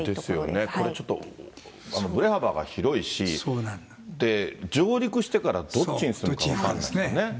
ですよね、これちょっとぶれ幅が広いし、上陸してからどっちに進むか分からないんですよね。